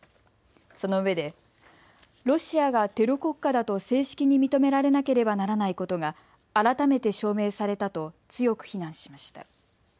そのうえでロシアがテロ国家だと正式に認められなければならないことが改めて証明されたと強く非難しました。